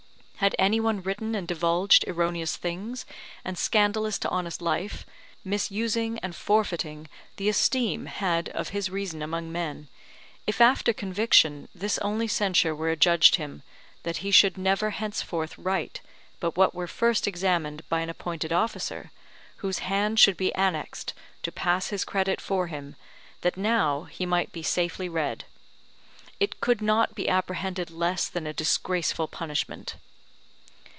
Had anyone written and divulged erroneous things and scandalous to honest life, misusing and forfeiting the esteem had of his reason among men, if after conviction this only censure were adjudged him that he should never henceforth write but what were first examined by an appointed officer, whose hand should be annexed to pass his credit for him that now he might be safely read; it could not be apprehended less than a disgraceful punishment.